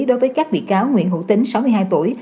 đối với các bị cáo nguyễn hữu tính sáu mươi hai tuổi